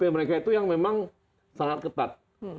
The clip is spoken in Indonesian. mereka itu yang memang sangat ketat